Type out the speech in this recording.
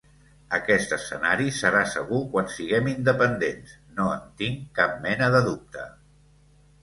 Aquest escenari serà segur quan siguem independents, no en tinc cap mena de dubte.